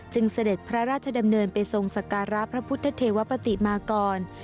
เสด็จพระราชดำเนินไปทรงสการะพระพุทธเทวปฏิมากร